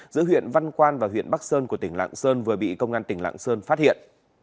giữa huyện văn quan và huyện bắc sơn của tỉnh lạng sơn vừa bị công an tỉnh lạng sơn phát hiện